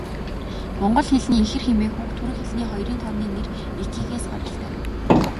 Монгол хэлний ихэр хэмээх үг түрэг хэлний хоёрын тооны нэр 'ики'-ээс гаралтай.